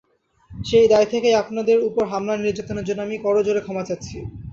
সেই দায় থেকেই আপনাদের ওপর হামলা-নির্যাতনের জন্য আমি করজোড়ে ক্ষমা চাচ্ছি।